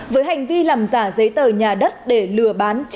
với hành vi làm giả giấy tờ nhà đất để lừa bán